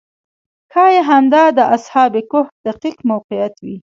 ښایي همدا د اصحاب کهف دقیق موقعیت وي.